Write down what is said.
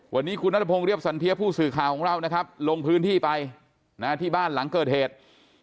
วันนี้คุณนัทพงศ์เรียบสันเทียผู้สื่อข่าวของเรานะครับลงพื้นที่ไปที่บ้านหลังเกิดเหตุ